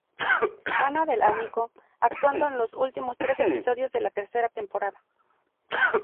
Anna Del Amico, actuando en los últimos tres episodios de la tercera temporada.